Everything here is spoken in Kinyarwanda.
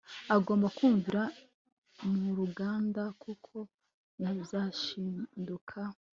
agomba kumvira muruganda kuko nazashiduka